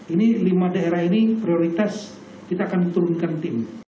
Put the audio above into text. ini lima daerah ini prioritas kita akan turunkan tim